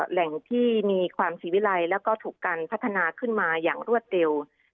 แหล่งที่มีความศรีวิรัยแล้วก็ถูกกันพัฒนาขึ้นมาอย่างรวดเร็ว